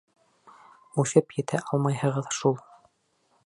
Үҫеп етә алмайһығыҙ шул.